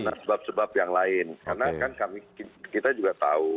karena kan kita juga tahu